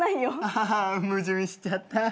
アハハ矛盾しちゃった。